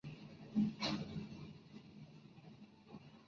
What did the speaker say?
Fue enterrado en la Colegiata de Stuttgart.